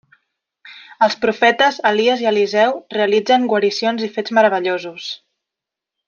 Els profetes Elies i Eliseu realitzen guaricions i fets meravellosos.